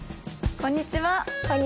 こんにちは。